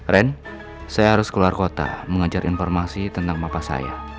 ren saya harus keluar kota mengajar informasi tentang papa saya